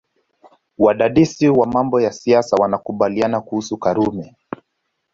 Wadadisi wa mambo ya siasa wanakubaliana kuhusu Karume